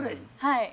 はい。